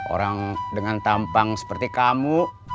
orang dengan tampang seperti kamu